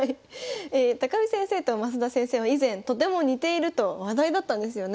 見先生と増田先生は以前とても似ていると話題だったんですよね。